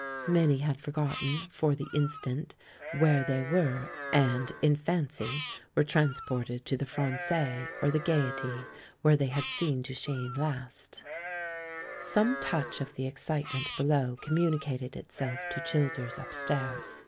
Many had forgotten, for the instant, 96 THE MAN WHO UNDERSTOOD WOMEN where they were and, in fancy, were transported to the rran9ais or the Gaiety, where they had seen Duchene last. Some touch of the excitement below communi cated itself to Childers upstairs.